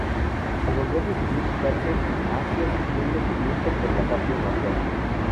Al volver decidió ubicarse en Asia siguiendo su gusto por las artes marciales.